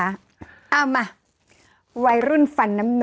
เอามาวัยรุ่นฟันน้ำนม